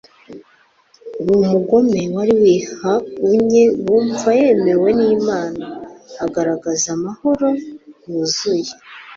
Uwo mugome wari wihaunye yumva yemewe n'Imana, agaragaza amahoro yuzuye.